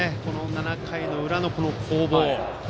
７回の裏の攻防。